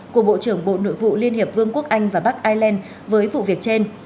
của bộ trưởng bộ nội vụ liên hiệp vương quốc anh và bắc ireland với vụ việc trên